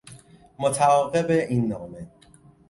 متعاقب این نامه